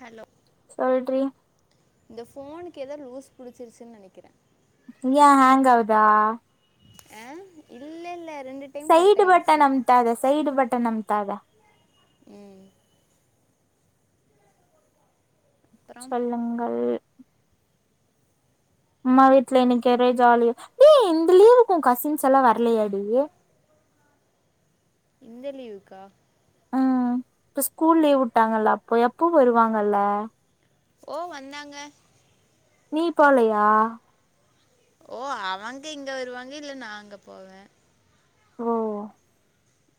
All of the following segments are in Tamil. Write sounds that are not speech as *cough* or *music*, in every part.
ஹலோ சொல்ட்ரி இந்த ஃபோனுக்கு ஏதோ லூசு புடிச்சிருச்சு நெனைக்கிறே ஏ ஹாங்காவுதா ஏ இல்லேல்ல ரெண்ட் சைடு பட்டன் அமுத்தாத சைடு பட்டன் அமுத்தாத ம் அப்புறம் சொல்லுங்கள் அம்மா வீட்டுல இனனைக்கி ஒரே ஜாலி ஏய் இந்த லீவுக்கு ஒ கசின்ஸ்ல்லா வரலியாடி இந்த லீவுக்கா ம் இப்ப ஸ்கூல் லீவ் உட்டாங்கல்ல அப்ப எப்பவு வருவாங்கல்ல ஓ வந்தாங்க நீ போலயா ஓ அவங்க இங்க வருவாங்க இல்ல நா அங்க போவே ஓ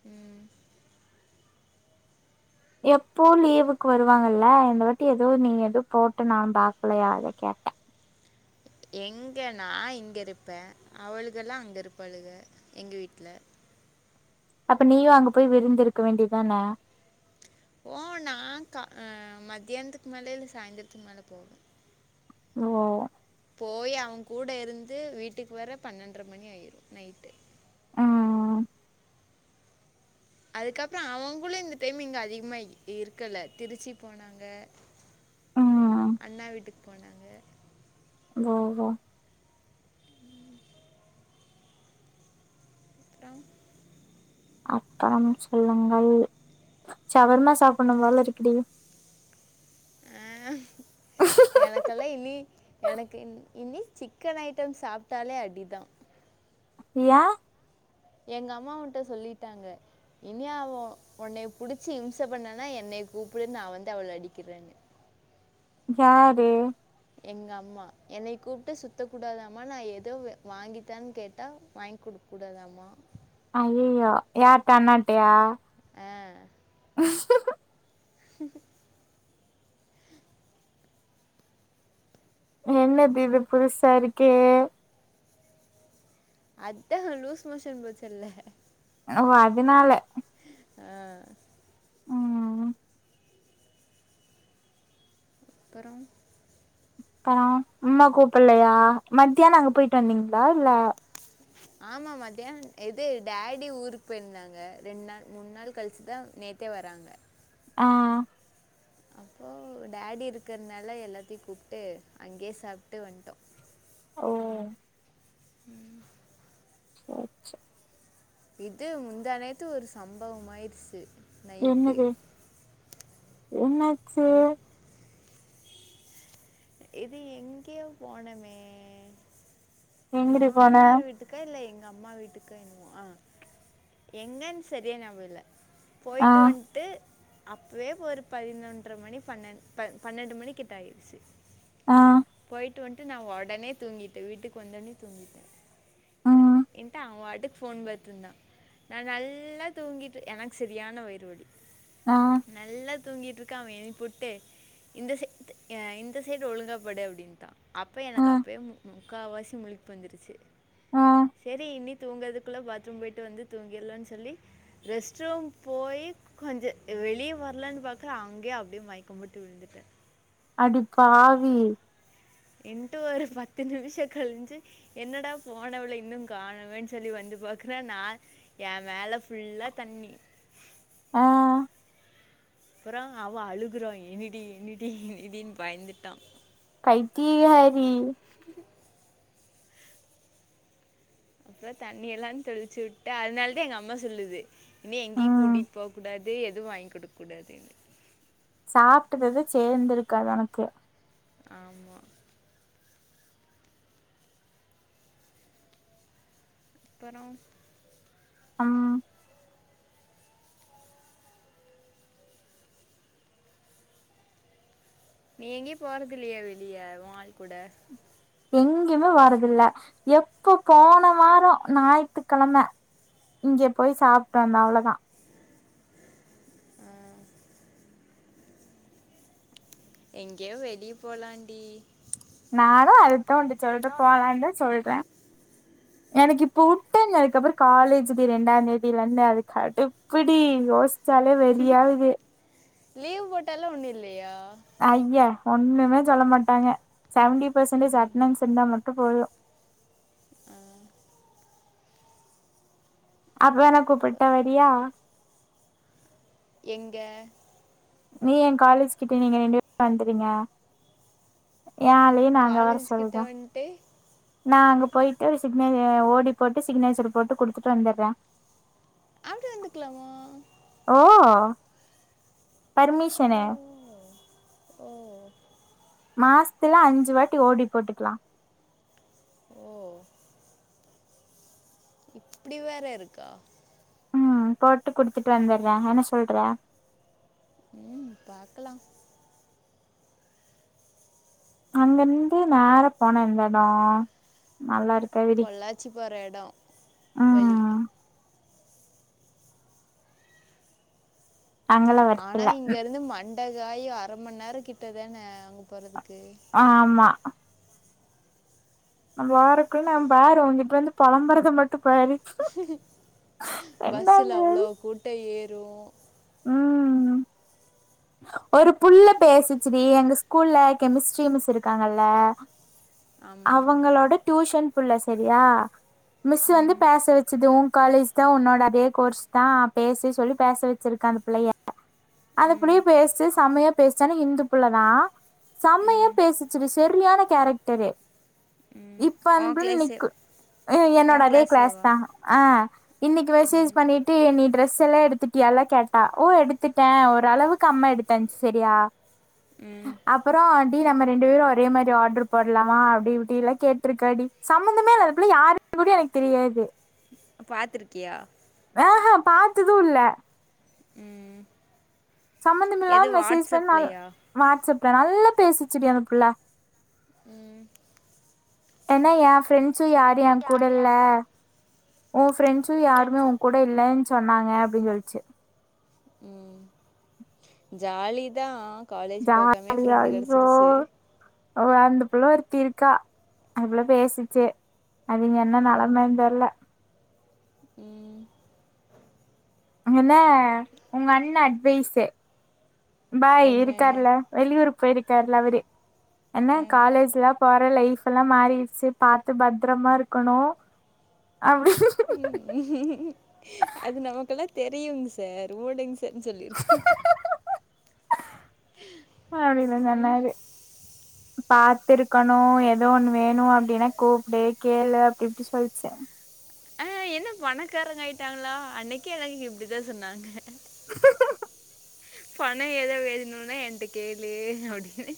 ம் எப்போவு லீவுக்கு வருவாங்கல்ல இந்த வாட்டி எதோ நீங்க எதோ போட்டு நா பாக்கலயா அத கேட்டே எங்க நா இங்க இருப்பே அவளுகலா அங்க இருப்பாளுக எங்க வீட்ல அப்ப நீயு அங்க போய் விருந்திருக்க வேண்டியதான போ நா கா ஆ மதியானத்துக்கு மேல இல்ல சாய்ந்திரத்துக்கு மேல போவோ ஓ போயி அவங் கூட இருந்து வீட்டுக்கு வர பண்ணெண்ட்ர மணி ஆயிரு நைட்டு ஆ ஆ அதுக்கப்றோ அவுங்களு இந்த டைம் இங்க அதிகமா இருக்கல திருச்சி போனாங்க ம் அண்ணா வீட்டுக் போனாங்க ஓ ஓ ம் அப்றோ அப்பறம் சொல்லுங்கள் ஷவர்மா சாப்பிட்ணு போல இருக்குடி ஆ எனக்கெல்லா இனி எனக்கு இன் இனி சிக்கன் ஐட்டம் சாப்டாலே அடிதா யா எங்க அம்மா உன்ட சொல்லிட்டாங்க இனி அவ உன்னய புடிச்சி இம்ச பண்ணனா என்னைய கூப்டு நா வந்து அவள அடிக்கிறேன்னு யாரு எங்க அம்மா என்னய கூப்ட்டு சுத்தக் கூடாதாமா நா எத வாங்கித்தானு கேட்டா வாய்ங் குடுக் கூடா தாமா ஐயையோ யார்ட்ட அண்ணாட்டயா ஆ ஹூ ஹூம் *inaudible* என்னது இது புதுசா இருக்கே அதா லூஸ் மோஷன் போச்சுல்ல ஓ அதுனால ஆ ஆ ஆ அப்பறொ பா அம்மா கூப்பட்லையா மத்தியானோ அங்க போயிட்டு வந்தீங்களா இல்ல *inaudible* ஆமா மத்தியானோ எது டாடி ஊருக்கு போயிருந்தாங்க ரெண்டு நாள் மூணு நாள் கழிச்சுதா நேத் த்தே வராங்க ஆ அப்போ டாடி இருக்கறனால எல்லாத்தயு கூப்ட்டு அங்கயே சாப்ட்டு வண்ட்டோ ஓ சேரி சேரி இது முந்தா நேத்து ஒரு சம்பவமாயிருச்சு என்னது என்ன எ இது எங்கயோ போனமே எங்கடி போன மாம்னார் வீட்டுக் கா இல்ல எங்க அம்மா வீட்டுக்கு என்னவோ ஆ எங்கன்னு சரியா ஞாபகோ இல்ல ஆ போய்ட்டு வண்ட்டு அப்வே ஒரு பதினொன்ற மணி பன்னெ ப பன்னெண்டு மணிக் கிட்ட ஆய்டுச்சு ஆ போயிட்டு வண்ட்டு நா ஒடனே தூங்கிட்டே வீட்டுக்கு வந்தொடனே தூங்கிட்டே ம் என்ட அவ அடு ஃபோன் பாத்துருந்தா நா நல்லா தூங்கிட்டு எனக்கு செரியான வயிறு வலி ஆ நல்லத் தூங்கிட்டுருக்கா அவ எழிப்புட்டு இந்த சை அ இந்த சைட் ஒழுங்காப்படு அப்டின்னுடா அப்பயே ஆ எனக்கு அப்பயே மு முக்காவாசி முழிப்புவந்துருச்சு ஆ சேரி இனி தூங்கதுக்குள்ள பாத்ரூம் போயிட்டு வந்து தூங்கிர்லான் சொல்லி ரெஸ்ட் ரூம் போய் கொஞ்சோ வெளியே வரலான் பாக்கற அங்கே அப்படியே மயக்கம்போட்டு விழுந்துட்டே அடிப்பாவி என்ட ஒரு பத்து நிமிஷோ கழின்சி என்னடா போனவள இன்னு காணமேன் சொல்லி வந்து பாக்குறா நா ஏ மேலே ஃபுல்லா தண்ணி ஆ அப்புறோ அவ அழுகுறா என்னடி என்னடி என்னடீன் பயந்துட்டா பைத்தியகாரி அப்புறோ தண்ணில்லா தெளிச்சுட்டு அதனாலதா எங்க அம்மா சொல்லுது இனி எங்கேயு ம் கூட்டிகிட்டு போக் கூடாது எதுவு வாங்கி குடுக்கூடாதுன்னு சாப்ட்டதது சேந்திருக்காது உனக்கு ஆமா அப்பறோ அம் நீ எங்கேயு போறதில்லையா வெளிய ஓ ஆள் கூட எங்கேயுமே வாரதில்ல எப்ப போன வாரம் ஞாயி்த்துக்கிழம இங்கே போய் சாப்பிட்டு வந்த அவ்ளோதான் ம் எங்கயோ வெளிய போலாம்ண்டி நானும் அததான் உண்ட சொல்றேன் போலான்னு தான் சொல்றேன் *inaudible* எனக்கு இப்ப உட்டா நீ அதுக்கப்புறம் காலேஜ்க்கு ரெண்டாம்ந்தேதில இருந்து அதுக் கடுப்புடி யோசி சிக்சாலே வெறியாகுது லீவ் போட்டாலாம் ஒண்ணு இல்லியா ஐய ஒண்ணுமே சொல்ல மாட்டாங்க செவன்டி பெர்சன்டேஜ் அட்டன்ஸ் இருந்தா மட்டும் போதும் ஆ அப்ப வேன கூப்பட்டா போறோம். வரியா எங்க நீ என் காலேஜ் கிட்ட நீங்க ரெண்டு பேரும் வந்துருங்க என் ஆளயும் நா அங்க வர சொல்றேன் ட்டே நா அங்க போயிட்டு சிக்னே ஓடி போட்டு சிக்னேச்சர் போட்டு கவ குடுத்துட்டு வந்துடுறேன் அங்க வந்துக்கலாமா ஓ ஓ பர்மிஷன்னு ஓ மாசத்துல அஞ்சு வாட்டி ஓடி போட்டுக்கலாம் ஓ இப்படி வேற இருக்கா ம் போட்டு குடுத்துட்டு வந்துடுறேன் என்ன சொல்றே ம் பாக்கலாம் அங்கிருந்து நேர போன எந்த இடம் நல்லா இருக்காது டீ ச்சி போர எடம் வழி அங்கலா ஆனா வரத்தில்ல இங்க இருந்து மண்ட காயும் அர மணி நேரோ கிட்டதானே அங் போறதுக்கு ஆ ஆமா நம்ம வாறக்குள்ள அவன் பாரு உங்கிட்ட வந்து புலம்பறத மட்டு பாரு பஸ்ஸுல ரெண்டாவது அவ்ளோ கூட்ட ஏறும் ம் ஒரு புள்ள பேசிச்சிடி எங்க ஸ்கூல்ல கெமிஸ்ட்ரி மிஸ் இருக்காங்கல்ல ஆமா அவங்களோட டியூஷன் புள்ள சரியா மிஸ் வந்து ம் பேச வெச் சிது உன் காலேஜ் தா உன்னோட அதே கோர்ஸ் தா பேசி சொல்லி பேச வச்சிருக்க அந்த புள்ளய அந்த ம் புள்ளயும் பேஸ்ச்சி செம்மையா பேஸ்ச்சி ஆனா இந்து புள்ள தான் செம்மைய ம் பேசி சு க செரியான கேரக்டரு ம் இப்ப அந்த உன் புள்ள கிளாஸே நிக்கு என்னோட உன் அதே கிளாஸ் கிளாஸேவா தா ஆ இன்னிக்கு மெசேஜ் ம் பண்ணிட்டு என்னிய டிரெஸ் எல்லா எடுத்துட்டியல்லா கேட்டா ஓ எடுத்துட்டே ஒரு அளவுக்கு அம்மா எடு டன் சரியா ம் அப்றோ டி நம்ம ரெண்டு பேரும் ஒரே மாறி ஆர்டர் போடலாமா அப்டி இப்டில்லா கேட்டிருக்காடி சம்பமந்தமேல்ல அந்தபுள்ள யாருன்னு கூட எனக்கு தெரியாது பாத்துருக்கியா ஆஹ் பாத்தது இல்ல ம் எது சம்மந்தமில்லாம மெசேஜ் பண்ணி நல் வாட்ஸ்அப்லயா வாட்ஸ்அப்ல நல்லா பேசிச்சுடி அந்த புள்ள ம் ஏனா ஏ ஃப்ரெண்ட்ஸு யாரு ஏ யாரு கூடல்ல என் உ ஃப்ரெண்ட்ஸு யாருமே உ ஃப்ரெண்ட்ஸு கூ இப்ப இல்லேன் சொன்னாங்க அப்டின் சொல்ச்சு ம் ஜாலிதா காலேஜ் பாக்காமேயே ஃப்ரெண்டு கெடச்சிருச்சு ஓ அந்தபுள்ள ஒருத்தி இருக்கா அந்தபுள்ள பேசிச்சி அதுங்க என்ன ம் நெலமன் தெர்ல ம் அங்கெனே உங்க அண்ண அட்வைஸு பாய் என்னன்னு இருக்கார்ல வெளியூர் போயிருக்கார்ல அவரு என்ன ஆ காலேஜ்லா போற லைஃப்லா மாறிர்ச்சு பாத்து பத்ரமா இருக்கணு அப்டி அது நமக்கெல்லா தெரியுங் சார் ஓடுங் சார்ன் சொல்லியிருக்கனு அப்டினு சொன்னாரு பாத்திருக்கணு எதோ ஒண்ணு வேணு அப்டின்னா கூப்டு கேளு அப்டி இப்டி சொல்ச்சி ஆ என்ன பணக்காரங்காய்ட்டாங்ளா அன்னைக்கு எனக்கு இப்டித்தா சொன்னாங்க பண எதோ வேணுனா என்ட்ட கேளு அப்டினு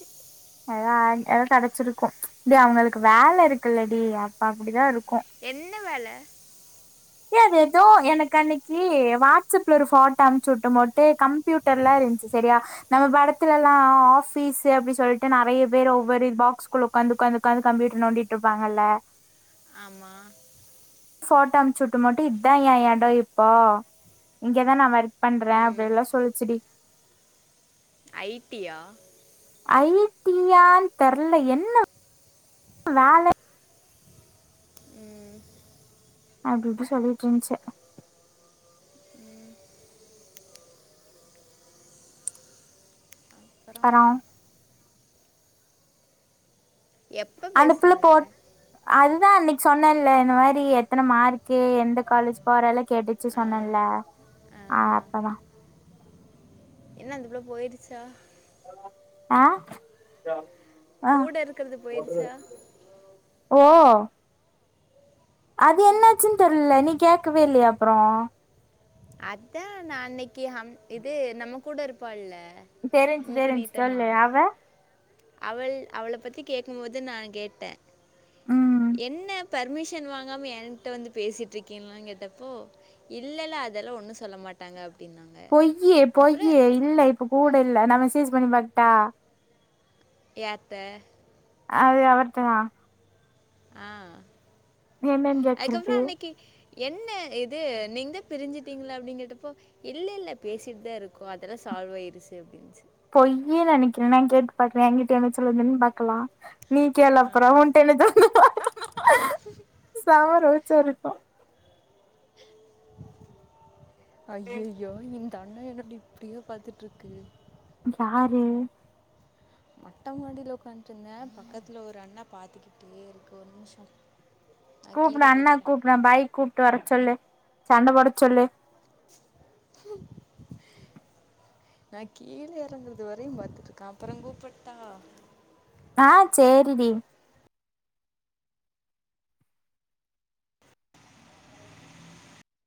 எதா எதாத் கெடச்சிருக்கு டி அவுங்களுக்கு வேல இருக்குல்லடி அப்ப அப்டிதா இருக்கு என்ன வேல ஏ அது எதோ எனக்கு அன்னிக்கு வாட்ஸ்ஸப்ல ஒரு ஃபோட்டோ அம்ச்சுட்டும் போட்டு கம் ப்யூட்டர்லா இருன்ச்சு செரியா நம்ம படத்துலல்லா ஆபீஸு அப்டி சொல்ட்டு நெறைய பேர் ஒவ்வொரு பாக்ஸ் குள்ள உக்காந்து உக்காந்து உக்காந்து கம்யூட்டர் நோண்டிட்ருப்பாங்கல்ல ஆமா ஃபோட்டோ அம்சுட்டு மட்டு இத்தா எ எடோ இப்போ இங்கதா நா வர்க் பண்றே ம். அப்டிலா சொல்ச்சிடி ஐ டி யா ஐ டி யான் தெரல என்ன வேல ம் அப்டி இப்டி சொல்லிட்ருந்துச்சு ம் அப்பறம் அப்பறோ எப்ப அந்த புள்ள பேசுனாங்க? போ அதுதா அன்னைக்கு சொன்னே இல்ல இந்த மாரி எத்தன மார்க்கு எந்த காலேஜ் போறல்லா கேட்டுச்சு ஆ. சொன்னல்ல ஆ அப்பதா என்ன அந்தப் புள்ள போயிடுச்சா ஆ ஆ கூட இருக்கறது போய்ர்ச்சா ஓ அது என்னாச்சுன் தெர்ல நீ கேக்கவே இல்லைய அப்றோ அதான் நான் அன்னைக்கு இது நம்ம கூட இருப்பா இல்ல தெரிஞ்சு தெரிஞ்சு சொல்லு அவ அவள் அவளை பத்தி கேக்குபோது நான் கேட்டேன் ம் என்ன பர்மிஷன் வாங்காம என்கிட்ட வந்து பேசிட்டு இருக்கீங்களுங்கேட்டப்போ இல்லல்ல அதெல்லாம் ஒண்ணும் சொல்ல மாட்டாங்க அப்டின்னாங்க பொய்யி அப்றம் பொய்யி இல்ல இப்ப கூட இல்ல நான் மெசேஜ் பண்ணி பாக்கட்டா யார்ட்ட அது அவர்ட்ட தான் ஆ என்னன்னு கேக்குறது அதுக்கப்புறம் அன்னைக்கி என்ன இது நீ தான் பிரிஞ்சுட்டீங்களா அப்டிங்கேட்டப்போ இல்ல இல்ல பேசிட்டு தான் இருக்கும் அதெல்லாம் சால்வ் ஆயிருச்சு அப்டின்னுச்சு பொய்யுனு நெனைக்கிறேன் நான் கேட்டு பாக்கறேன்ங்கிட்ட என்ன சொல்லுதுன்னு பாக்கலாம் நீ கேலப்புறம் உன்டல த சமார உச்சாரப்ப அய்யய்யோ‌ தண்ணோ என்னடி இப்டியே பாத்துட்டுருக்கு யாரு மொட்டை மாடியில உக்காந்துட்டுருந்தேன் பக்கத்தில ஒரு அண்ணா பாத்துக்கிட்டே இருக்கு ஒரு நிமிஷம் நான் கூப்டு கீழே அண்ணே போய்க்கிறேன் கூப்ரா பாய்க கூப்பிட்டு வர சொல்லு சண்டை போட சொல்லு *unintelligible* நான் கீழே இறங்கறது வரையும் பாத்துட்டு இருக்கேன் அப்றம் கூப்பிட்டா ஆ சேரிடி